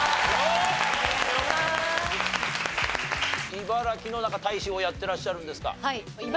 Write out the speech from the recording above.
茨城のなんか大使をやってらっしゃるんですか？